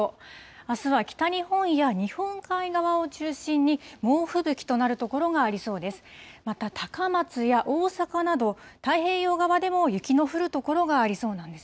あすは北日本や日本海側を中心に、猛吹雪となる所がありそうです。